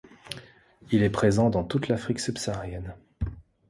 Il est présent dans toute l'Afrique subsaharienne.